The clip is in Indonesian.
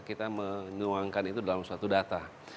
kita menyuangkan itu dalam suatu data